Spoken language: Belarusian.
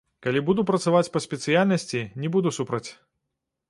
Калі буду працаваць па спецыяльнасці, не буду супраць.